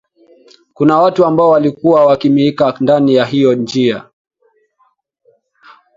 kuna watu ambao walikuwa wakimika ndani ya hiyo njia